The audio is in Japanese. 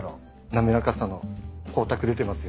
滑らかさの光沢出てますよね。